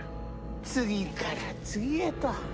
次から次へと。